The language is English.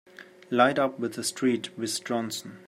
Light up with the street with Johnson!